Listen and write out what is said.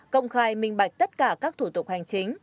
công khai minh bạch tất cả các thủ tục hành chính